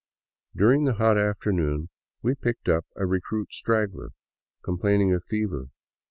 During the hot after noon we picked up a recruit straggler, complaining of fever.